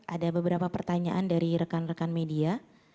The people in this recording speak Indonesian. ada beberapa pertanyaan dari rekan rekan media